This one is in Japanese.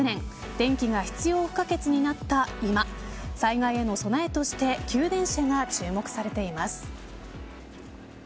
電気が必要不可欠になった今災害への備えとして給電車が注目されています。